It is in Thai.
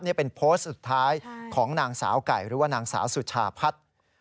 นี่เป็นโพสต์สุดท้ายของนางสาวไก่หรือว่านางสาวสุชาพัฒน์